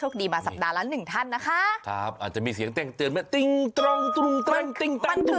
กันนะคะครับอาจจะมีเสียงกับ